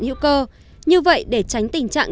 hữu cơ như vậy để tránh tình trạng